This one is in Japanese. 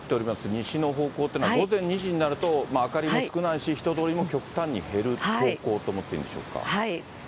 西の方向というのは、午前２時になると、明かりも少ないし人通りも極端に減る方向と思っていいんでしょうはい。